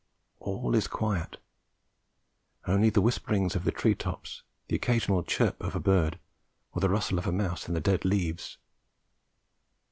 All is quiet; only the whisperings of the tree tops, the occasional chirp of a bird, or the rustle of a mouse in the dead leaves.